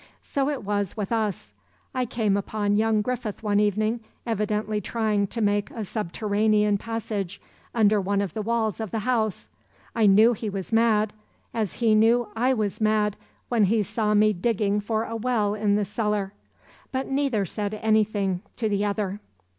So it was with us. I came upon young Griffith one evening evidently trying to make a subterranean passage under one of the walls of the house. I knew he was mad, as he knew I was mad when he saw me digging for a well in the cellar; but neither said anything to the other.